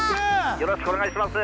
よろしくお願いします。